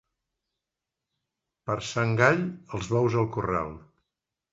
Per Sant Gall, els bous al corral.